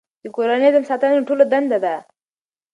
د کورني نظم ساتنه د ټولو دنده ده.